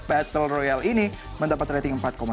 battle royale ini mendapatkan rating empat satu